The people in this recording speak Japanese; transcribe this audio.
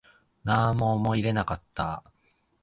なんも思い入れなかった